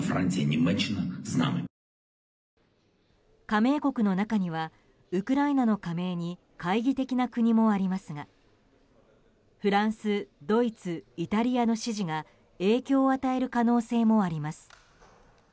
加盟国の中にはウクライナの加盟に懐疑的な国もありますがフランス、ドイツ、イタリアの支持が影響を与える可能性もあります。